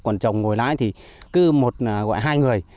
còn chồng ngồi lái thì cứ một gọi hai người